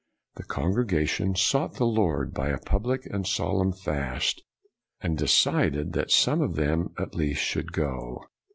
The congregation " sought the Lord by a public and solemn fast," and decided that some of them, at least, should go.